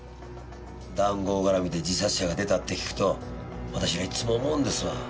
談合絡みで自殺者が出たって聞くと私らいつも思うんですわ。